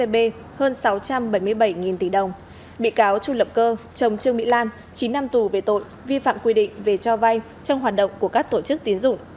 bị cáo trung lập cơ chồng trường mỹ lan chín năm tù về tội vi phạm quy định về cho vay trong hoạt động của các tổ chức tiến dụng